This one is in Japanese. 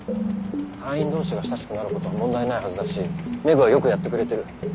隊員同士が親しくなることは問題ないはずだし廻はよくやってくれてる。